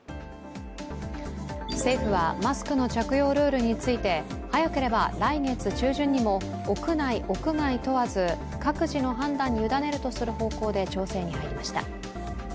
政府はマスクの着用ルールについて早ければ来月中旬にも屋内、屋外問わず各自の判断に委ねるとする方向で調整に入りました。